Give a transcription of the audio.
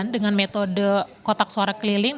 dengan metode kotak suara keliling